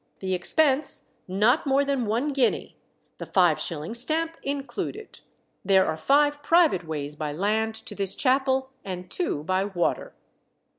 The expense not more than one guinea, the five shilling stamp included. There are five private ways by land to this chapel, and two by water."